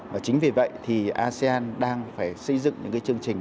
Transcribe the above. và chính vì vậy thì asean đang phải xây dựng những cái chương trình